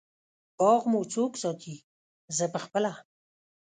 باغ مو څوک ساتی؟ زه پخپله